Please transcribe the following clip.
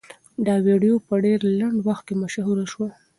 دا ویډیو په ډېر لنډ وخت کې مشهوره شوه.